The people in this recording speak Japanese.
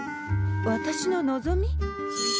私の望み？